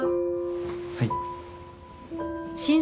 はい。